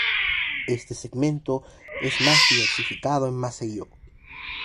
Este segmento es más diversificado en Maceió.